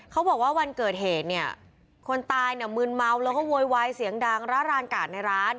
เขาบอกว่าวันเกิดเหตุเนี่ยคนตายเนี่ยมืนเมาแล้วก็โวยวายเสียงดังระรานกาดในร้าน